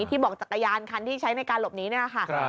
ที่บอกจักรยานคันที่ใช้ในการหลบหนีเนี่ยค่ะ